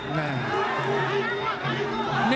หนัง